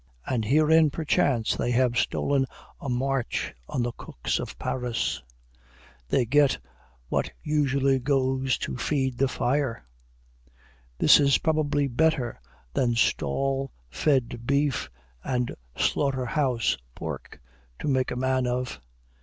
And herein, perchance, they have stolen a match on the cooks of Paris. They get what usually goes to feed the fire. This is probably better than stall fed beef and slaughter house pork to make a man of.